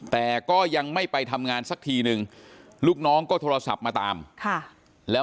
แต่ก็ยังไม่ไปทำงานสักทีนึงลูกน้องก็โทรศัพท์มาตามค่ะแล้ว